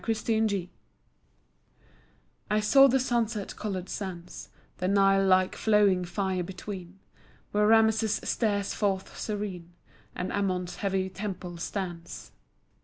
The Wanderer I saw the sunset colored sands, The Nile like flowing fire between, Where Rameses stares forth serene, And Ammon's heavy temple stands.